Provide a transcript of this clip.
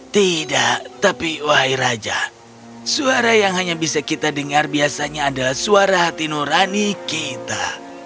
tidak tapi wahai raja suara yang hanya bisa kita dengar biasanya adalah suara hati nurani kita